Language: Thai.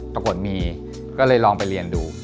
ปรากฏมีก็เลยลองไปเรียนดู